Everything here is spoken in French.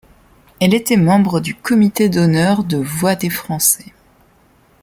Elle était membre du comité d'honneur de Voix des Français.